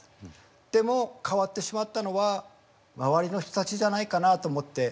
でも変わってしまったのは周りの人たちじゃないかなと思って。